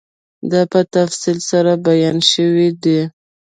دا په تفصیل سره بیان شوی دی